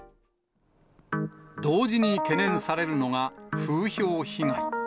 同時に懸念されるのが、風評被害。